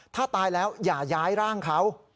ถ้าตายแล้วอย่าย้ายร่างเขา